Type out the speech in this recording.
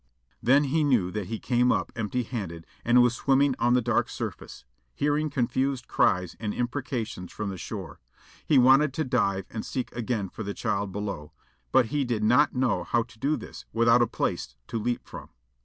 Then he knew that he came up empty handed and was swimming on the dark surface, hearing confused cries and imprecations from the shore. He wanted to dive and seek again for the child below, but he did not know how to do this without a place to leap from.